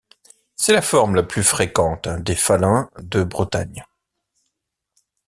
C'est la forme la plus fréquente des faluns de Bretagne.